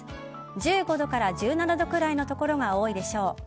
１５度から１７度くらいの所が多いでしょう。